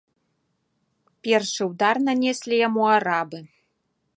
Першы ўдар нанеслі яму арабы.